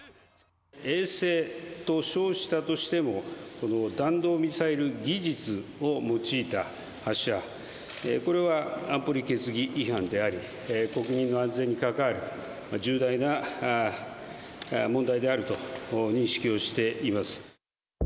衛星と称したとしても、この弾道ミサイル技術を用いた発射、これは安保理決議違反であり、国民の安全に関わる重大な問題であると認識をしています。